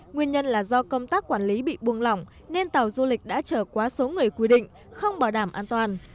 nguyên nhân là do công tác quản lý bị buông lỏng nên tàu du lịch đã trở quá số người quy định không bảo đảm an toàn